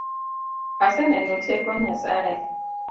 Aseneno teko Nyasaye.